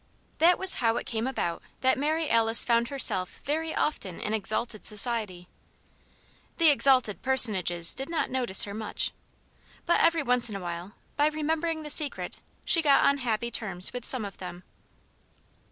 That was how it came about that Mary Alice found herself very often in exalted society. The exalted personages did not notice her much; but every once in a while, by remembering the Secret, she got on happy terms with some of them.